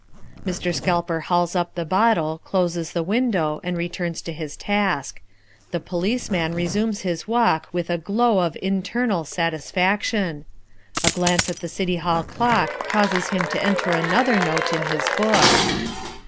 Mr. Scalper hauls up the bottle, closes the window, and returns to his task; the policeman resumes his walk with a glow of internal satisfaction. A glance at the City Hall clock causes him to enter another note in his book.